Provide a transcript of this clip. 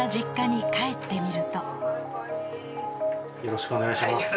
よろしくお願いします。